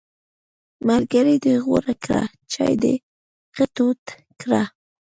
ملګری دې غوره کړه، چای دې ښه تود کړه!